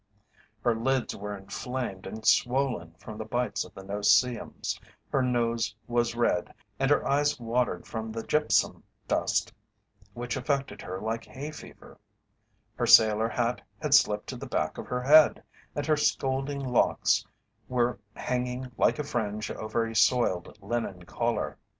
Her lids were inflamed and swollen from the bites of the "no see ems," her nose was red, and her eyes watered from the gypsum dust which affected her like hay fever, her sailor hat had slipped to the back of her head and her "scolding locks" were hanging like a fringe over a soiled linen collar.